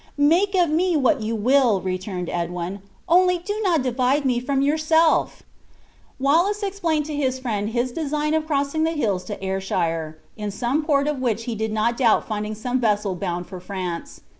"Make of me what you will," returned Edwin, "only do not divide me from yourself!" Wallace explained to his friend his design of crossing the hills to Ayrshire, in some port of which he did not doubt finding some vessel bound for France.